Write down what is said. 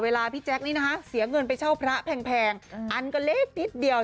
พี่แจ๊คนี้นะคะเสียเงินไปเช่าพระแพงอันก็เล็กนิดเดียว